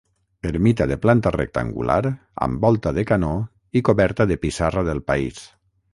Ermita de planta rectangular amb volta de canó i coberta de pissarra del país.